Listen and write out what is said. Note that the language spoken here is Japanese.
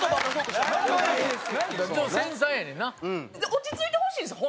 落ち着いてほしいんですよ